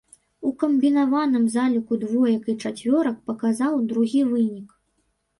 У камбінаваным заліку двоек і чацвёрак паказаў другі вынік.